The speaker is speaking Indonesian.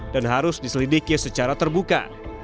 harus diselidiki secara terbuka